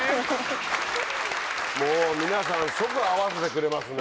もう皆さん即合わせてくれますね。